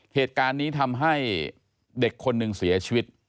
เหตุการณ์นี้ทำให้เด็กคนหนึ่งเสียชีวิต